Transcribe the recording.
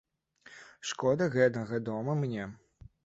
Шкода гэнага дома мне.